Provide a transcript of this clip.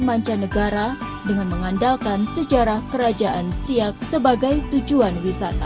mancanegara dengan mengandalkan sejarah kerajaan siak sebagai tujuan wisata